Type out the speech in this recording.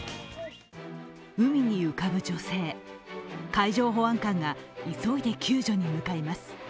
海に浮かぶ女性、海上保安官が急いで救助に向かいます。